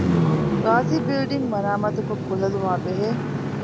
ޣާޒީ ބިލްޑިންގ މަރާމާތުކޮށް ކުލަލުމާބެހޭ